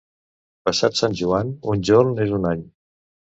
Passat Sant Joan, un jorn és un any.